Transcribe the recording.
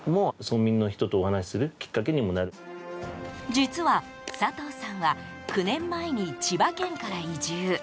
実は、佐藤さんは９年前に千葉県から移住。